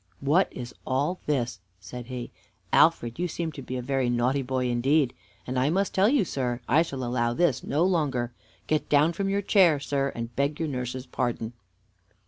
"What is all his?" said he. "Alfred, you seem to be a very naughty boy indeed; and I must tell you, sir, I shall allow this no longer. Get down from your chair, sir, and beg your nurse's pardon."